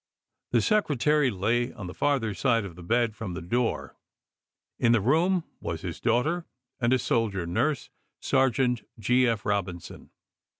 The Secretary lay on the farther side of the bed from the door; in the room was his daughter and a soldier nurse, Sergeant Gt. F. Robinson.